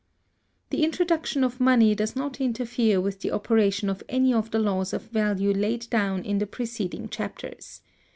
The introduction of money does not interfere with the operation of any of the Laws of Value laid down in the preceding chapters.